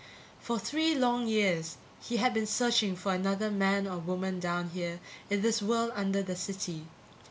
For three long years he had been searching for another man or woman down here in this world under the city.